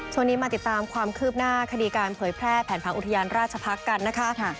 มาติดตามความคืบหน้าคดีการเผยแพร่แผนผังอุทยานราชพักษ์กันนะคะ